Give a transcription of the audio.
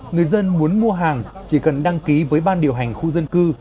người dân muốn mua hàng chỉ cần đăng ký với ban điều hành khu dân cư